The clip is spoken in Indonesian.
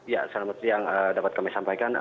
ya selamat siang dapat kami sampaikan